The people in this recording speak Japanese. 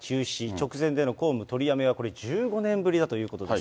直前での公務取りやめは１５年ぶりだということです。